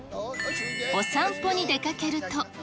お散歩に出かけると。